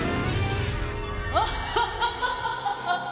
アハハハハ！